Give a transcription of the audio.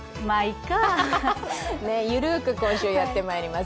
緩く今週、やっていきます。